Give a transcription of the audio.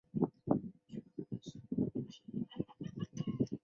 后来他被告假报财政信息和欺骗银行。